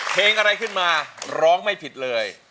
เพลงอะไรขึ้นมาร้องไม่ผิดเลย